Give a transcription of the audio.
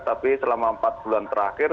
tapi selama empat bulan terakhir